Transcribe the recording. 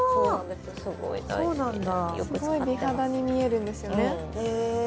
すごい美肌に見えるんですよねへえ